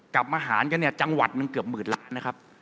กลับมาหารกันเนี่ยจังหวัดหนึ่งเกือบหมื่นล้านนะครับ